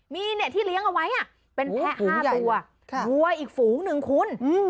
มีเนี่ยที่เลี้ยงเอาไว้อ่ะเป็นแพ้ห้าตัวอีกฝูงหนึ่งคุณอืม